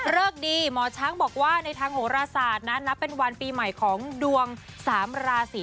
เลิกดีหมอช้างบอกว่าในทางหรษาทนั้นนะเป็นวันปีใหม่ของดวงสามราศรี